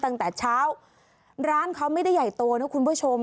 ตั้งแต่เช้าร้านเขาไม่ได้ใหญ่โตนะคุณผู้ชม